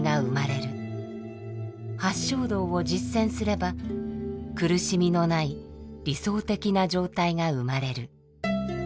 八正道を実践すれば苦しみのない理想的な状態が生まれる。